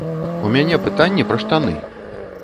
У мяне пытанне пра штаны.